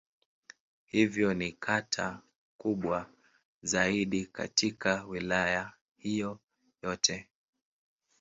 Hivyo ni kata kubwa zaidi katika Wilaya hiyo yote.